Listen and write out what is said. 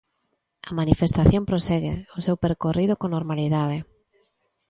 A manifestación prosegue o seu percorrido con normalidade.